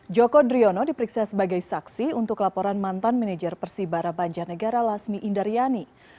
joko driono diperiksa sebagai saksi untuk laporan mantan manajer persibara banjarnegara lasmi indaryani